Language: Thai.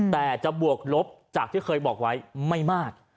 แต่จะบวกลบจากที่เคยบอกไว้ไม่มาก